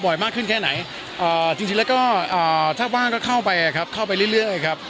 มากขึ้นแค่ไหนจริงแล้วก็ถ้าว่างก็เข้าไปครับเข้าไปเรื่อยครับ